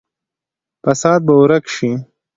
فساد به ورک شي.